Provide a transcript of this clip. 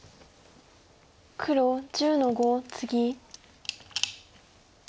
黒１０の五ツギ。